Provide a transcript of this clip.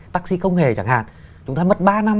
taxi công nghề chẳng hạn chúng ta mất ba năm